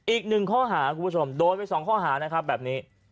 อีก๑ข้อหาโดนไป๒ข้อหาแบบนี้